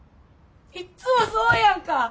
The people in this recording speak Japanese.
いっつもそうやんか。